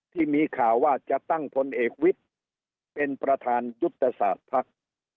ที่มีข่าวว่าจะตั้งพลเอกวิทย์เป็นประธานยุทธศาสตร์ภักดิ์